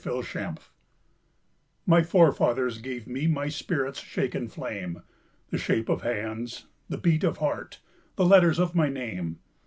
Driftwood My forefathers gave me My spirit's shaken flame, The shape of hands, the beat of heart, The letters of my name.